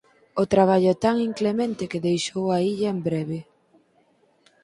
O traballo é tan inclemente que deixou a illa en breve.